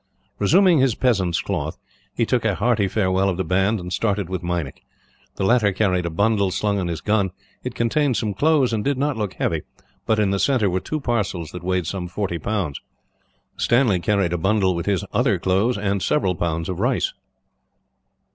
Resuming his peasant's cloth, he took a hearty farewell of the band and started with Meinik. The latter carried a bundle, slung on his gun. It contained some clothes, and did not look heavy; but in the centre were two parcels that weighed some forty pounds. Stanley carried a bundle with his other clothes, and several pounds of rice.